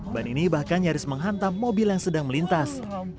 ban ini bahkan nyaris menghantam mobil yang sedang melintas